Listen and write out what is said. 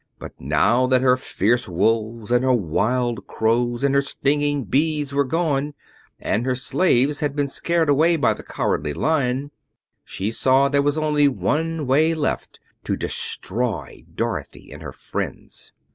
But now that her fierce wolves and her wild crows and her stinging bees were gone, and her slaves had been scared away by the Cowardly Lion, she saw there was only one way left to destroy Dorothy and her friends.